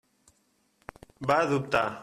Va dubtar.